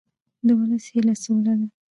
د ولس هیله سوله ده